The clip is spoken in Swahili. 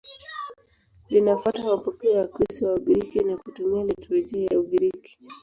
Linafuata mapokeo ya Ukristo wa Ugiriki na kutumia liturujia ya Ugiriki.